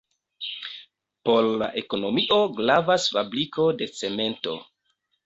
Por la ekonomio gravas fabriko de cemento.